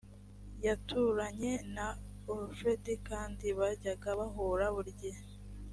yaturanye na alfred kandi bajyaga bahura buri gihe